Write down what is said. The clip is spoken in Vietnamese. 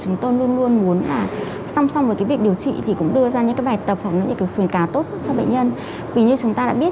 chúng tôi luôn luôn muốn là song song với cái việc điều trị thì cũng đưa ra những cái bài tập hoặc là những cái khuyến cáo tốt cho bệnh nhân